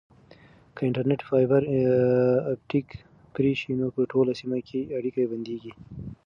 که د انټرنیټ فایبر اپټیک پرې شي نو په ټوله سیمه کې اړیکه بندیږي.